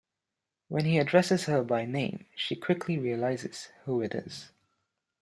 When he addresses her by name she quickly realizes who it is.